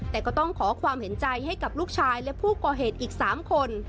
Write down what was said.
แต่ก็ต้องขอความเห็นใจให้กับลูกชายและผู้ก่อเหตุอีก๓คน